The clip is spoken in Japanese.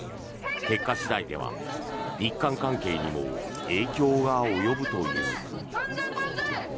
結果次第では日韓関係にも影響が及ぶという。